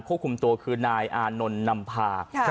ควบคุมตัวคือนายอานนท์นำพา